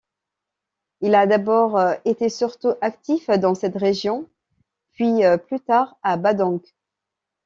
Il a d'abord été surtout actif dans cette région, puis plus tard à Padang.